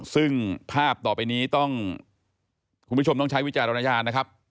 ซึ่งภาพต่อไปนี้ต้องคุณผู้ชมต้องใช้วิจารณญาณนะครับ